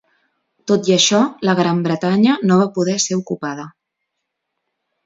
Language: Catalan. Tot i això, la Gran Bretanya no va poder ser ocupada.